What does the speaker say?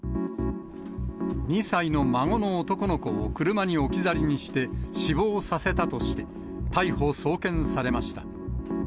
２歳の孫の男の子を車に置き去りにして、死亡させたとして、逮捕・送検されました。